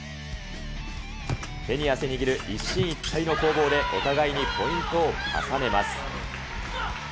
手に汗握る一進一退の攻防で、お互いにポイントを重ねます。